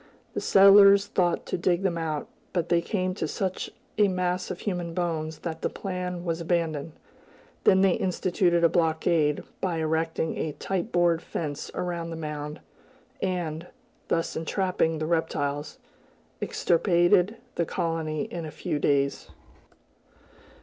The settlers thought to dig them out, but they came to such a mass of human bones that that plan was abandoned. Then they instituted a blockade, by erecting a tight board fence around the mound, and, thus entrapping the reptiles, extirpated the colony in a few days.